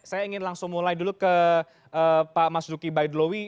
saya ingin langsung mulai dulu ke pak mas duki baidlowi